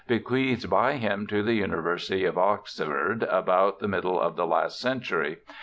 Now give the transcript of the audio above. bequeathed by him to the University of Oxford about the middle of the last century.